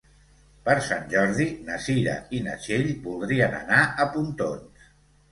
Per Sant Jordi na Cira i na Txell voldrien anar a Pontons.